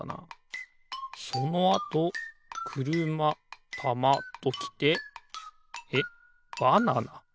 そのあとくるまたまときてえっバナナ？